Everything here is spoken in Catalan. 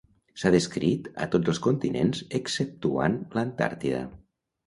S’ha descrit a tots els continents exceptuant l’Antàrtida.